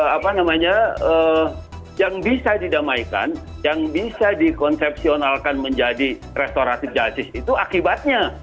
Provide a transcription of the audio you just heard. apa namanya yang bisa didamaikan yang bisa dikonsepsionalkan menjadi restoratif justice itu akibatnya